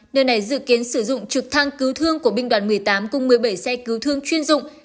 nơi này dự kiến sử dụng trực thăng cứu thương của binh đoàn một mươi tám cùng một mươi bảy xe cứu thương chuyên dụng